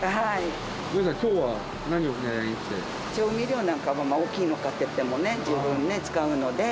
調味料なんかも大きいの買ってってもね十分ね使うので。